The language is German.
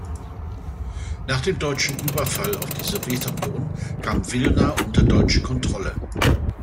Nach dem deutschen Überfall auf die Sowjetunion kam Wilna unter deutsche Kontrolle.